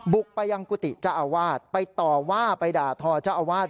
บุกไปยังกุฏิเจ้าอาวาสไปต่อว่าไปด่าทอเจ้าอาวาส